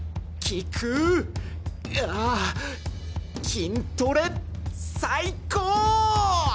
筋トレ最高！